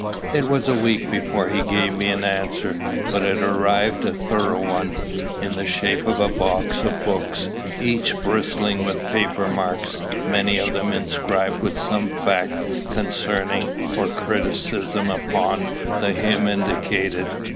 It was a week before he gave me an answer; but it arrived a thorough one, in the shape of a box of books, each bristling with paper marks, many of them inscribed with some fact concerning, or criticism upon, the hymn indicated.